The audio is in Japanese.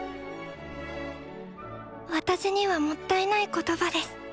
私にはもったいない言葉です。